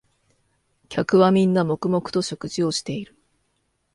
客はみんな黙々と食事をしている